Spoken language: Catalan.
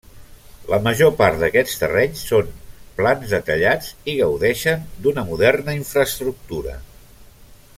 La major part d'aquests terrenys són plans detallats i gaudeixen d'una moderna infraestructura.